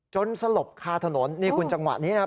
สลบคาถนนนี่คุณจังหวะนี้นะครับ